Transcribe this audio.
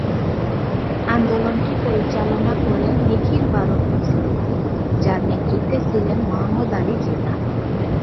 আন্দোলনটি পরিচালনা করে নিখিল ভারত মুসলিম লীগ, যার নেতৃত্বে ছিলেন মুহাম্মদ আলী জিন্নাহ।